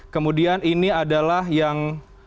kemudian ini adalah yang